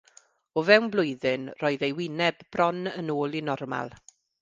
O fewn blwyddyn, roedd ei wyneb bron yn ôl i normal.